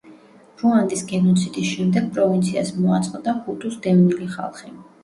რუანდის გენოციდის შემდეგ პროვინციას მოაწყდა ჰუტუს დევნილი ხალხი.